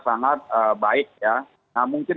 sangat baik nah mungkin